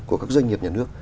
của các doanh nghiệp nhà nước